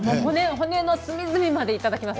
骨の隅々までいただきます。